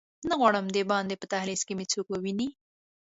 نه غواړم دباندې په دهلېز کې مې څوک وویني.